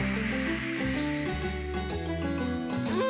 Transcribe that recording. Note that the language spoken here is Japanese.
うん。